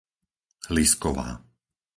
Lisková